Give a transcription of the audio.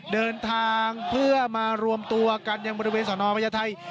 เดินทางเพื่อมารวมตัวกันยังบริเวณสนพญาไทย